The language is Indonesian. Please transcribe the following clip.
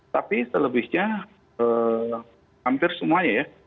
tapi selebihnya hampir semuanya ya